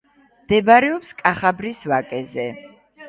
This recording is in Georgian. მდებარეობს კახაბრის ვაკეზე.